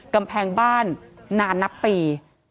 กำแพงบ้านนานนับปี